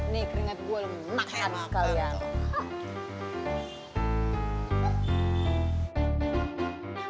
nih keringat gua lo makan sekalian